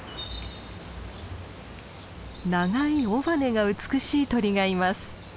長い尾羽が美しい鳥がいます。